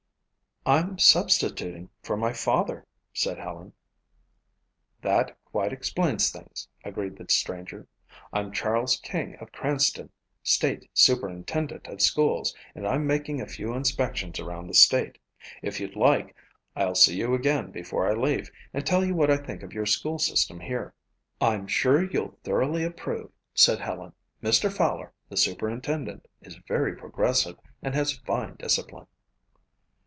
"I'm substituting for my father," said Helen. "That quite explains things," agreed the stranger. "I'm Charles King of Cranston, state superintendent of schools, and I'm making a few inspections around the state. If you'd like, I'll see you again before I leave and tell you what I think of your school system here." "I'm sure you'll thoroughly approve," said Helen. "Mr. Fowler, the superintendent, is very progressive and has fine discipline."